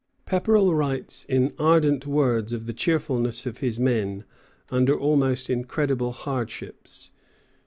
] Pepperrell writes in ardent words of the cheerfulness of his men "under almost incredible hardships."